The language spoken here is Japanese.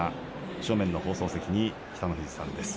正面の放送席に北の富士さんです。